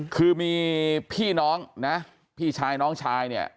คือมีพี่น้องนะพี่ชายน้องชายเนี่ย